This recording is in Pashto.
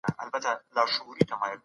افغانانو مورچلونه وساتل